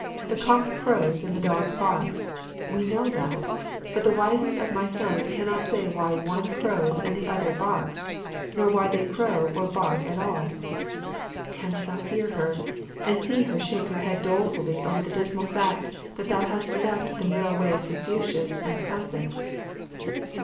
The cock crows and the dog barks. We know that, but the wisest of my sons cannot say why one crows and the other barks, nor why they crow or bark at all." Canst thou hear her, and see her shake her head dolefully over the dismal fact that thou hast left the narrow way of Confucius and the classics?